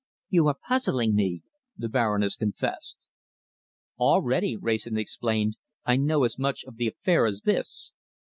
"You are puzzling me," the Baroness confessed. "Already," Wrayson explained, "I know as much of the affair as this.